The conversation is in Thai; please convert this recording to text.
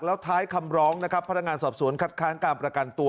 แล้วท้ายคำร้องนะครับพนักงานสอบสวนคัดค้างการประกันตัว